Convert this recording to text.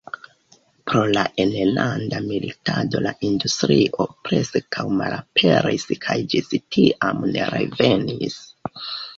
Pro la enlanda militado la industrio preskaŭ malaperis kaj ĝis tiam ne revenis.